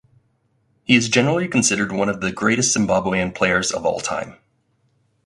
He is generally considered one of the greatest Zimbabwean players of all time.